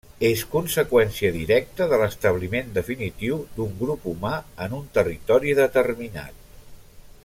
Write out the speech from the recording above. És conseqüència directa de l'establiment definitiu d'un grup humà en un territori determinat.